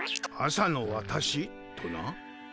「朝のわたし」とな？